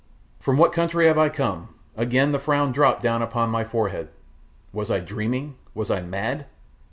"From what country had I come?" Again the frown dropped down upon my forehead. Was I dreaming was I mad?